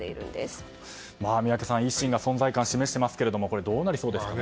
宮家さん、維新が存在感を示してますけどもこれ、どうなりそうですかね。